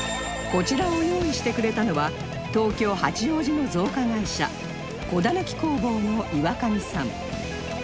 こちらを用意してくれたのは東京八王子の造花会社子だぬき工房の岩上さん